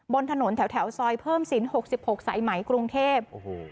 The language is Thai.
บนถนนแถวซอยเพิ่มศิลป๖๖สายไหมกรุงเทพ